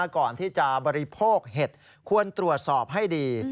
ก่อนที่จะบริโภคเห็ดควรตรวจสอบให้ดี